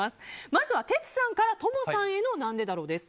まずはテツさんからトモさんへの「なんでだろう」。